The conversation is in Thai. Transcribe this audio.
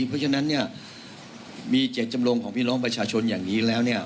เพราะฉะนั้นมีเจ็ดจำลงของพี่น้องประชาชนอย่างนี้แล้ว